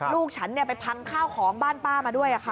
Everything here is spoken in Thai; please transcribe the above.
ลูกฉันไปพังข้าวของบ้านป้ามาด้วยค่ะ